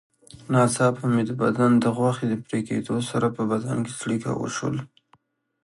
ناڅاپه مې د بدن د غوښې په پرېکېدلو سره په بدن کې څړیکه وشول.